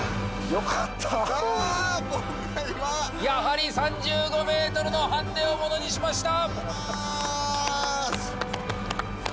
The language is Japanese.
やはり３５ｍのハンデをものにしました。